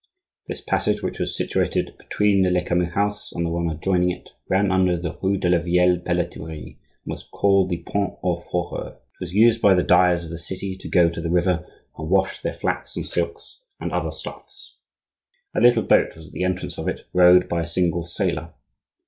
This passage, which was situated between the Lecamus house and the one adjoining it, ran under the rue de la Vieille Pelleterie, and was called the Pont aux Fourreurs. It was used by the dyers of the City to go to the river and wash their flax and silks, and other stuffs. A little boat was at the entrance of it, rowed by a single sailor.